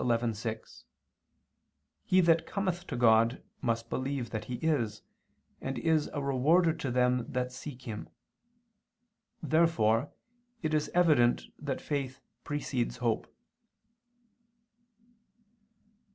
11:6: "He that cometh to God, must believe that He is, and is a rewarder to them that seek Him." Therefore it is evident that faith precedes hope.